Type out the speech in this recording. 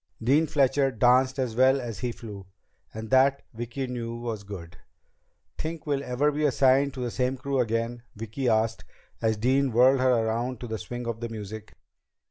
Dean Fletcher danced as well as he flew. And that, Vicki knew, was good. "Think we'll ever be assigned to the same crew again?" Vicki asked, as Dean whirled her around to the swing of the music.